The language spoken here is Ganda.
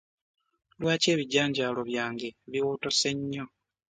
Lwaki ebijanjalo byange biwotose nnyo?